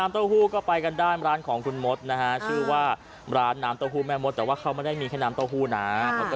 ที่รู้จักตลาดนักรุงโลศนะคะหรือว่าตลาดนักประแทนก็มาอุดหนุนหนูได้นะคะ